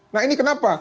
nah ini kenapa